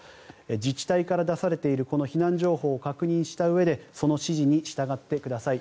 自治体から出されている避難情報を確認したうえでその指示に従ってください。